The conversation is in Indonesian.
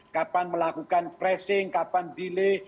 kapan melakukan pressing kapan delay